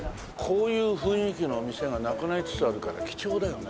こういう雰囲気の店がなくなりつつあるから貴重だよね